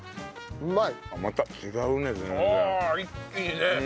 うまい。